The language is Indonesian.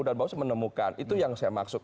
dan bawaslu menemukan itu yang saya maksud